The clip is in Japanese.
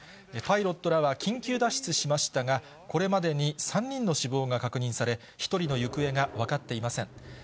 パイロットらは緊急脱出しましたが、これまでに３人の死亡が確認され、１人の行方が分かっていません。